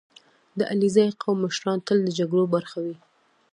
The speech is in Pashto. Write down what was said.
• د علیزي قوم مشران تل د جرګو برخه وي.